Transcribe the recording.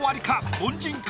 凡人か？